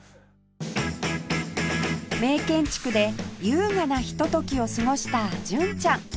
名建築で優雅なひとときを過ごした純ちゃん